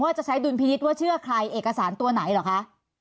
จะใช้ดุลพินิษฐ์ว่าเชื่อใครเอกสารตัวไหนเหรอคะ